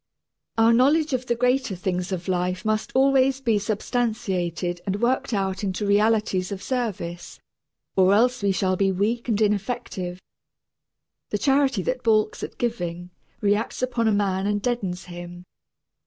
Our knowledge of the greater things of life must always be substantiated and worked out into realities of service, or else we shall be weak and ineffective. The charity that balks at giving, reacts upon a man and deadens him.